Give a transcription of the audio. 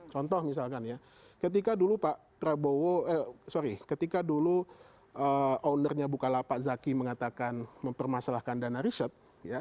contoh misalkan ya ketika dulu pak prabowo eh sorry ketika dulu ownernya bukalapak zaki mengatakan mempermasalahkan dana riset